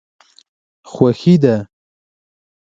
خوښي ده.